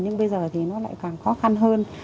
nhưng bây giờ thì nó lại càng khó khăn hơn